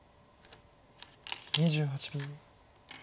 ２８秒。